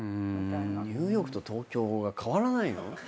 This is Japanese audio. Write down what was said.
ニューヨークと東京が変わらないの？